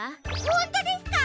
ほんとですか！？